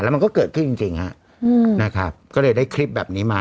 มันก็เกิดขึ้นจริงฮะนะครับก็เลยได้คลิปแบบนี้มา